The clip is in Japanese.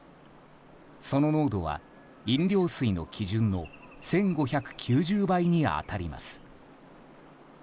その濃度は飲料水の基準の１５９０倍に当たります。